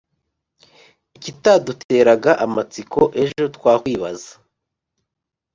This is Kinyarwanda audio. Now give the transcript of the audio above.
ikitaduteraga amatsiko, ejo twakwibaza